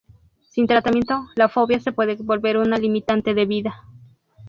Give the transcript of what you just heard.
Sin tratamiento la fobia se puede volver una limitante de vida.